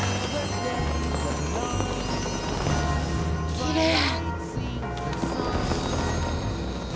きれい。